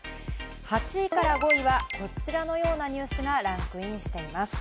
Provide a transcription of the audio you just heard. ８位から５位はこちらのようなニュースがランクインしています。